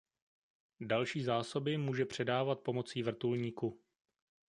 Další zásoby může předávat pomocí vrtulníku.